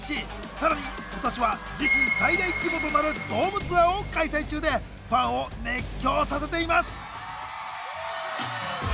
さらに今年は自身最大規模となるドームツアーを開催中でファンを熱狂させています。